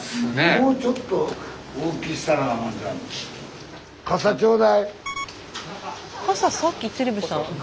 もうちょっと大きしたらなんか。